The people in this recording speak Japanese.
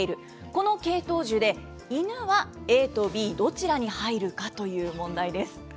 この系統樹でイヌはＡとＢどちらに入るかという問題です。